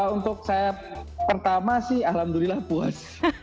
untuk saya pertama sih alhamdulillah puas